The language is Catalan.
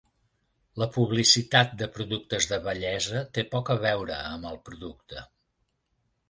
La publicitat de productes de bellesa té poc a veure amb el producte.